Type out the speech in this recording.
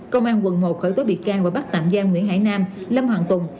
công an quận một khởi tối bị cao và bắt tạm giam nguyễn hải nam lâm hoàng tùng